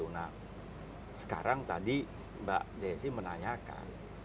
nah sekarang tadi mbak desi menanyakan